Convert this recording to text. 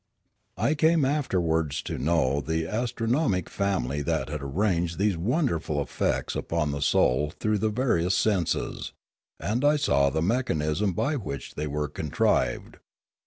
I came afterwards to know the astronomic family that had arranged these wonderful effects upon the soul through the various senses, and I saw the mechanism by which they were contrived.